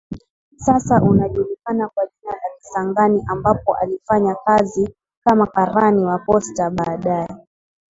sasa unajulikana kwa jina la Kisangani ambapo alifanya kazi kama karani wa postaBaadaye